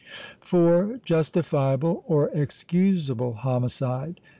(4) Justifiable or excusable homicide.